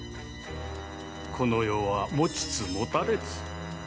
この世は持ちつ持たれつ。